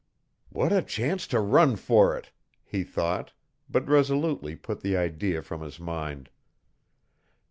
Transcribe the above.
"What a chance to run for it!" he thought, but resolutely put the idea from his mind.